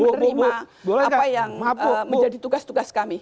masyarakat semakin bisa menerima apa yang menjadi tugas tugas kami